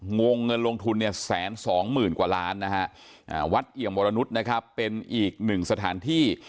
งงเงินลงทุนแสนสองหมื่นกว่าล้านวัดเอี่ยมวรณุษย์เป็นอีกหนึ่งสถานที่